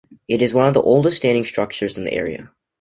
It is one of the oldest standing structures in the area.